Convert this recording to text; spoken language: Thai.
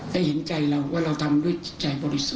ได้เห็นใจเราว่าเราทำด้วยใจบริษุ